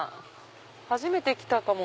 初めて来たかも。